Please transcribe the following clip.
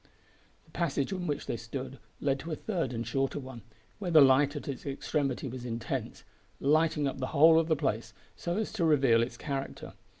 The passage in which they stood led to a third and shorter one, where the light at its extremity was intense, lighting up the whole of the place so as to reveal its character.